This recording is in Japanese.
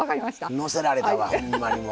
乗せられたわほんまにもう。